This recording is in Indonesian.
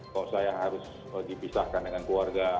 kok saya harus dipisahkan dengan keluarga